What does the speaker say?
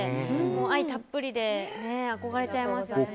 愛たっぷりで憧れちゃいますね。